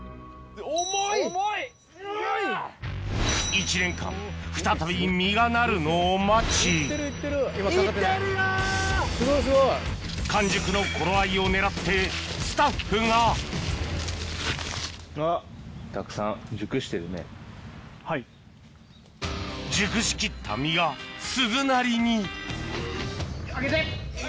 １年間再び実がなるのを待ち・すごいすごい・完熟の頃合いを狙ってスタッフが・はい・熟しきった実が鈴なりに上げて！